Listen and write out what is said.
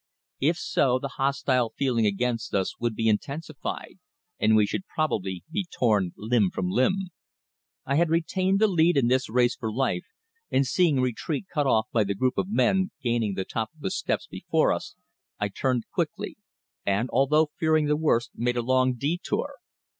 If so, the hostile feeling against us would be intensified, and we should probably be torn limb from limb. I had retained the lead in this race for life, and seeing retreat cut off by the group of men gaining the top of the steps before us I turned quickly, and, although fearing the worst, made a long detour.